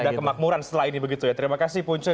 ada kemakmuran setelah ini begitu ya terima kasih punce